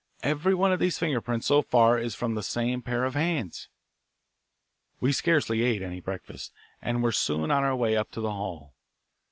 Every one of these finger prints so far is from the same pair of hands." We scarcely ate any breakfast, and were soon on our way up to the hall.